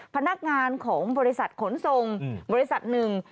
พนักงานของบริษัทขนส่งบริษัทหนึ่ง